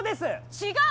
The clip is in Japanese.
違う！